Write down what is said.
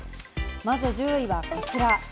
まず１０位はこちら。